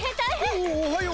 おおはよう。